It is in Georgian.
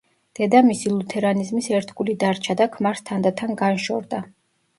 დედამისი ლუთერანიზმის ერთგული დარჩა და ქმარს თანდათან განშორდა.